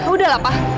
udah lah pak